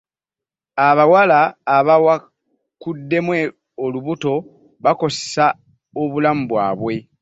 abawala abawakuddemu olubuto bakosa obulamu bwabwe